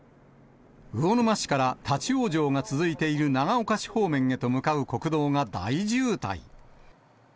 魚沼市から立往生が続いている長岡市方面へと向かう国道が大渋滞。